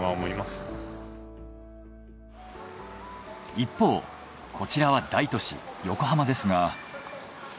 一方こちらは大都市横浜ですが。